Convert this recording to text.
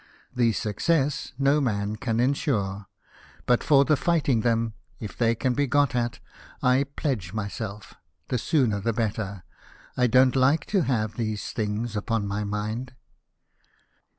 The success no man can ensure : but for the fighting them, if they can be got at, I pledge myself. The sooner the better ; I don't like to have these things upon my mind."